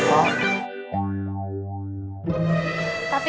tapi kok kok gak pernah cerita sih